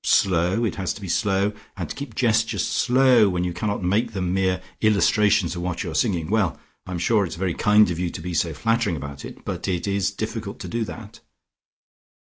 Slow: it has to be slow, and to keep gestures slow when you cannot make them mere illustrations of what you are singing well, I am sure, it is very kind of you to be so flattering about it but it is difficult to do that."